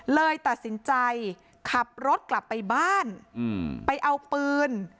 เลยตัดสินใจขับรถกลับไปบ้านไปเอาปืน